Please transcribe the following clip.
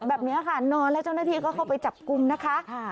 แบบนี้ค่ะนอนแล้วเจ้าหน้าที่ก็เข้าไปจับกลุ่มนะคะ